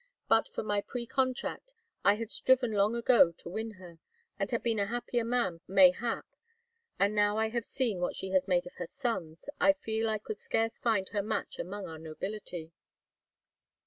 But for my pre contract, I had striven long ago to win her, and had been a happier man, mayhap. And, now I have seen what she has made of her sons, I feel I could scarce find her match among our nobility."